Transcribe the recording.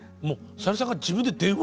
さゆりさんが自分で電話？